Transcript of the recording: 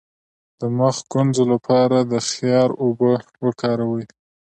د مخ د ګونځو لپاره د خیار اوبه وکاروئ